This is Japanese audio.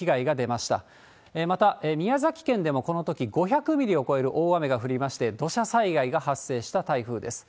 また、宮崎県でもこのとき５００ミリを超える大雨が降りまして、土砂災害が発生した台風です。